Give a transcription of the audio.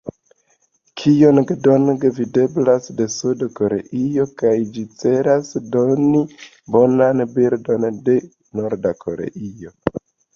Kijong-dong videblas de Sud-Koreio kaj ĝi celas doni bonan bildon de Norda Koreio.